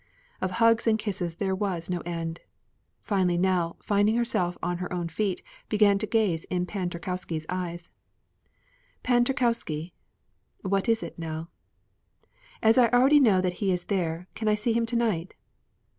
Of hugs and kisses there was no end. Finally Nell, finding herself on her own feet, began to gaze in Pan Tarkowski's eyes: "Pan Tarkowski " "What is it, Nell?" " As I already know that he is there, can I see him to night?"